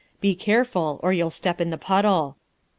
Be careful, or you '11 step in the puddle.